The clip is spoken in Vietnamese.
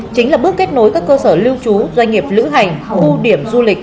chính là bước kết nối các cơ sở lưu trú doanh nghiệp lữ hành khu điểm du lịch